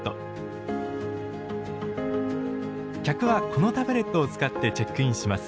客はこのタブレットを使ってチェックインします。